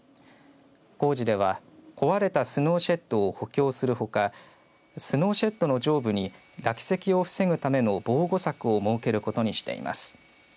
工事では壊れたスノーシェッドを補強するほかスノーシェッド上部に落石を防ぐための防護柵を設けることにしています。